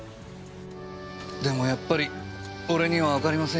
でもやっぱり俺にはわかりませんよ